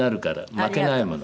負けないもの。